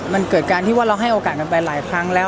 มันเกิดการที่ว่าเราให้โอกาสกันไปหลายครั้งแล้ว